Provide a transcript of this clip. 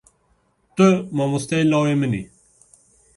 Tu mamosteyê lawê min î.